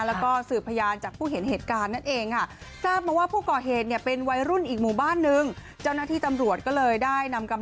แล้วก็สืบพยานจากผู้เห็นเหตุการณ์นั่นเองค่ะ